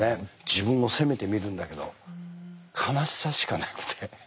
自分も責めてみるんだけど悲しさしかなくて。